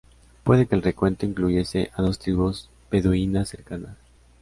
Puede que el recuento incluyese a dos tribus beduinas cercanas.